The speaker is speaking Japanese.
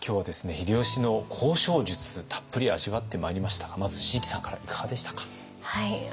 秀吉の交渉術たっぷり味わってまいりましたがまず椎木さんからいかがでしたか？